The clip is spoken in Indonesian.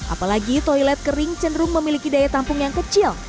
apalagi toilet kering cenderung memiliki daya tampung yang kecil